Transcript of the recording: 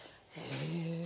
へえ。